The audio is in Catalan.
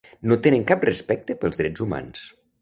No tenen cap respecte pels drets humans.